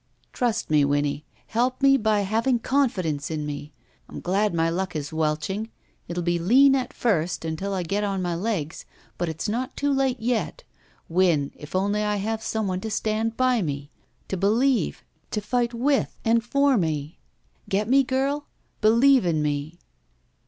Trust me, Winnie. Help me by having confi dence in me. I'm glad my luck is welching. It will be lean at first, until I get on my legs. But it's not too late yet. Win, if only I have some one to stand by me. To believe — ^to fight with and for me! Get me, girl? Believe in me."